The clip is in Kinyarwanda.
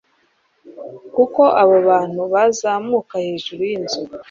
Kuki abo bantu bazamuka hejuru yinzu